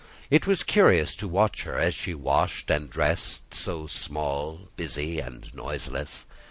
It was curious to watch her as she washed and dressed, so small, busy, and noiseless.